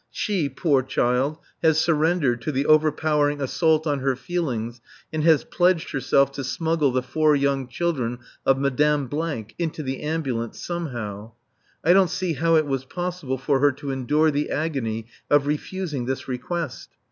She, poor child, has surrendered to the overpowering assault on her feelings and has pledged herself to smuggle the four young children of Madame into the ambulance somehow. I don't see how it was possible for her to endure the agony of refusing this request.